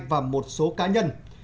và một số cá nhân